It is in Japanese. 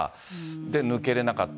で、抜けれなかった。